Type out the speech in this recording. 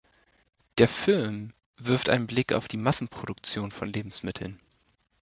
Der Film wirft einen Blick auf die Massenproduktion von Lebensmitteln.